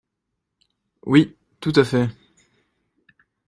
Oui, tout à fait.